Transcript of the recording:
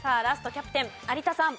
キャプテン有田さん。